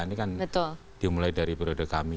ini kan dimulai dari periode kami